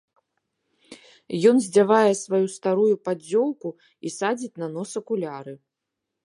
Ён здзявае сваю старую паддзёўку і садзіць на нос акуляры.